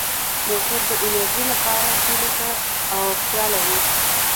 موټر د انرژۍ لپاره تېلو ته اړتیا لري.